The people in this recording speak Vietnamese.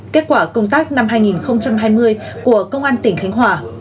kết quả công tác năm hai nghìn hai mươi của công an tỉnh khánh hòa